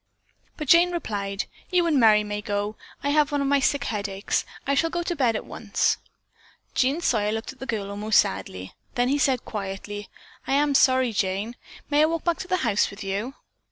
But Jane replied, "You and Merry may go. I have one of my sick headaches. I shall go to bed at once." Jean Sawyer looked at the girl almost sadly. Then he said quietly, "I am sorry, Jane. May I walk back to the house with you?"